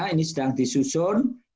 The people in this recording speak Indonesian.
ini sedang disusun